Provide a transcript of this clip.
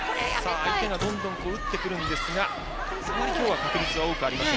相手がどんどん打ってくるんですがあまり確率は多くありません。